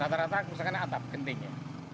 rata rata kerusakannya atap gentingnya